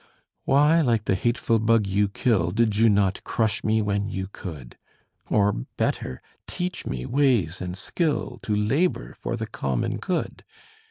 Why, like the hateful bug you kill, Did you not crush me when you could? Or better, teach me ways and skill To labor for the common good?